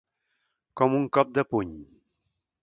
Com un cop de puny.